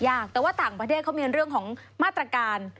แต่ว่าต่างประเทศเขามีเรื่องของมาตรการ